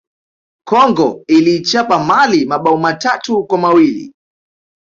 congo iliichapa Mali mabao matatu kwa mawili